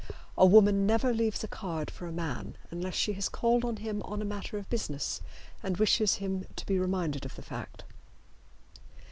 A woman never leaves a card for a man unless she has called on him on a matter of business and wishes him to be reminded of the fact.